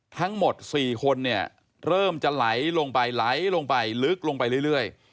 ทั้งหมด๔คนเนี่ยเริ่มจะไหลลงไปไหลลงไปลึกลงไปเรื่อย